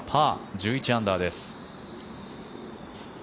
１１アンダーです。